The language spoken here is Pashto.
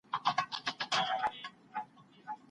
مجرد کس خپله د کور کارونه نه کوي.